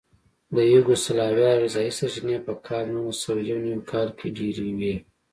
د یوګوسلاویا غذایي سرچینې په کال نولسسوهیونوي کال کې ډېرې وې.